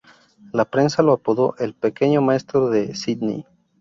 La prensa lo apodó ""El pequeño maestro de Sydney"".